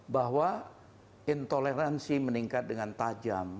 bahwa intoleransi meningkat dengan tajam